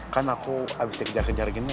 kan aku habis dikejar kejar gini